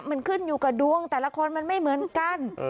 มันขึ้นอยู่กับดวงแต่ละคนมันไม่เหมือนกัน